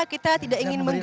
kita tidak ingin mengganggu